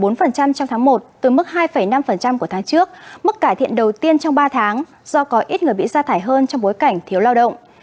bốn trong tháng một từ mức hai năm của tháng trước mức cải thiện đầu tiên trong ba tháng do có ít người bị xa thải hơn trong bối cảnh thiếu lao động